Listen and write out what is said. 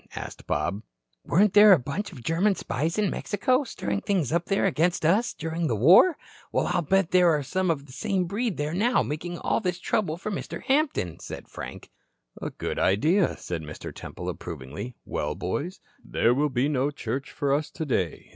asked Bob. "Weren't there a bunch of German spies in Mexico, stirring things up there against us, during the war? Well, I'll bet there are some of the same breed there now making all this trouble for Mr. Hampton," said Frank. "A good idea," said Mr. Temple, approvingly. "Well, boys, there will be no church for us today.